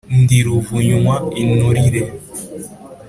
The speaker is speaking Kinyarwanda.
ndi ruvunywa inturire